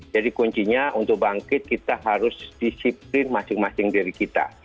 jadi kuncinya untuk bangkit kita harus disipit masing masing diri kita